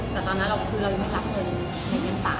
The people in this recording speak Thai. แต่ในตอนนั้นเราไม่รับเงินเกี่ยวงานสาร